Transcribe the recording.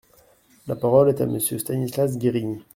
La parole est à Monsieur Stanislas Guerini.